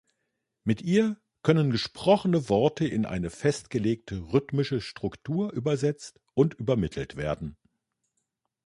Mit ihr können gesprochene Worte in eine festgelegte rhythmische Struktur übersetzt und übermittelt werden.